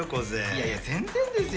いやいや全然ですよ。